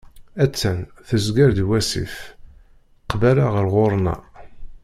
Attan tezger-d i wasif, qbala ɣer ɣur-neɣ.